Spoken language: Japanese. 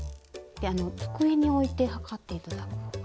机に置いて測って頂くほうが。